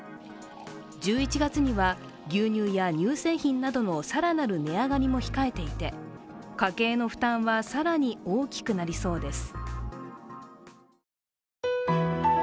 １１月には、牛乳や乳製品などの更なる値上がりも控えていて家計の負担は更に大きくなりそうです。